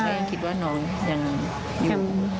ก็ยังคิดว่าน้องยังอยู่